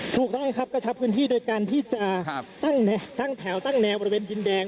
ถูกต้องครับกระชับพื้นที่โดยการที่จะตั้งแถวตั้งแนวบริเวณดินแดง